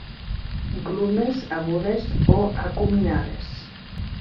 Glumes agudes o acuminades.